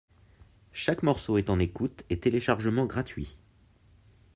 Chaque morceau est en écoute et téléchargement gratuit.